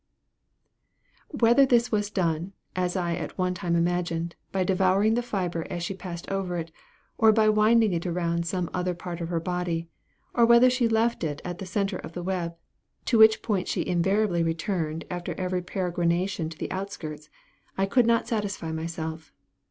Whether this was done, as I at one time imagined, by devouring the fibre as she passed over it, or by winding it around some under part of her body, or whether she left it at the centre of the web, to which point she invariably returned after every peregrination to the outskirts, I could not satisfy myself.